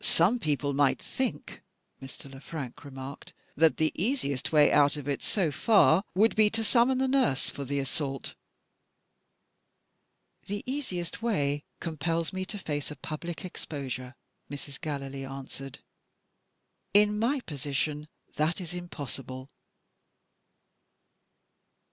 "Some people might think," Mr. Le Frank remarked, "that the easiest way out of it, so far, would be to summon the nurse for the assault." "The easiest way compels me to face a public exposure," Mrs. Gallilee answered. "In my position that is impossible."